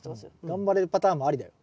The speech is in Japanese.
頑張れるパターンもありだよ。